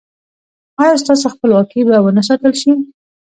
ایا ستاسو خپلواکي به و نه ساتل شي؟